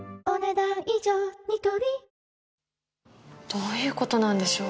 どういう事なんでしょう？